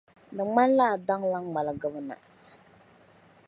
Di ŋmanila a daŋla ŋmaligibu na